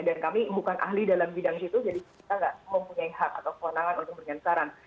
dan kami bukan ahli dalam bidang itu jadi kita nggak mempunyai hak atau kewenangan untuk beri saran